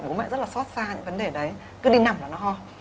bố mẹ rất là xót xa những vấn đề đấy cứ đi nằm là nó ho